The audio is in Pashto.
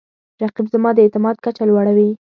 رقیب زما د اعتماد کچه لوړوي